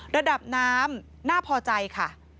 ระดับน้ำน่าพอใจค่ะ